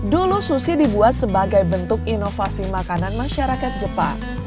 dulu sushi dibuat sebagai bentuk inovasi makanan masyarakat jepang